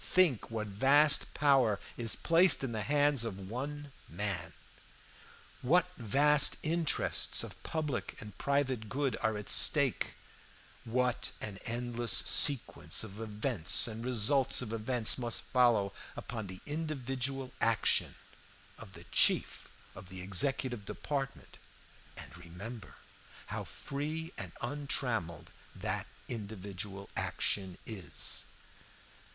Think what vast power is placed in the hands of one man; what vast interests of public and private good are at stake; what an endless sequence of events and results of events must follow upon the individual action of the chief of the Executive Department; and remember how free and untrammeled that individual action is.